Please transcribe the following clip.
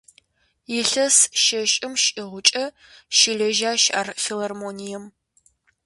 Илъэс щэщӏым щӏигъукӏэ щылэжьащ ар филармонием.